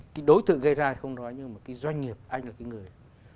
cái đối tượng gây ra không nói nhưng mà cái doanh nghiệp anh là cái người